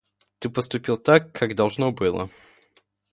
Ты поступил так, как должно было.